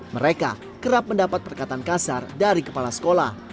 mereka kerap mendapat perkataan kasar dari kepala sekolah